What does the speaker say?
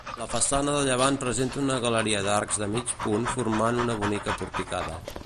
La façana de llevant presenta una galeria d'arcs de mig punt formant una bonica porticada.